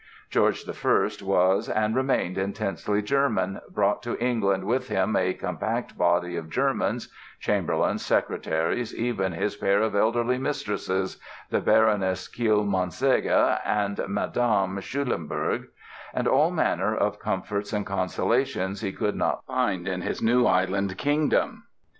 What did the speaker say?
George I was and remained intensely German, brought to England with him "a compact body of Germans"—chamberlains, secretaries, even his pair of elderly mistresses, the Baroness Kielmansegge and Madame Schulenburg; and all manner of comforts and consolations he could not find in his new island kingdom.